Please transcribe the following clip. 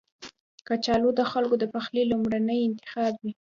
کچالو د خلکو د پخلي لومړنی انتخاب وي